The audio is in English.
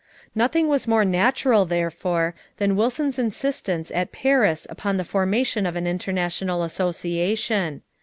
Nothing was more natural, therefore, than Wilson's insistence at Paris upon the formation of an international association.